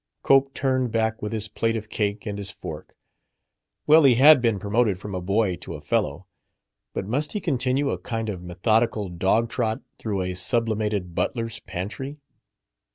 Cope turned back with his plate of cake and his fork. Well, he had been promoted from a "boy" to a "fellow"; but must he continue a kind of methodical dog trot through a sublimated butler's pantry?